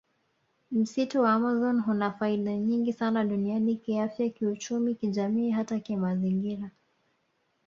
Msitu wa amazon huna faida nyingi sana duniani kiafya kiuchumi kijamii hata kimazingira